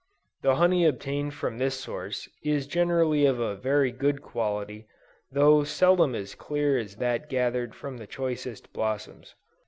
The honey obtained from this source, is generally of a very good quality, though seldom as clear as that gathered from the choicest blossoms.